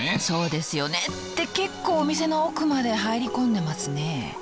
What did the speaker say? そうですよねって結構お店の奥まで入り込んでますね。